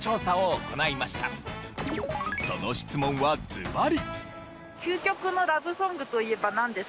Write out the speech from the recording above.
その質問はずばり。